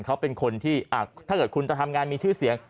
เขาเป็นคนที่ถ้าเกิดคุณจะทำงานมีชื่อเสียง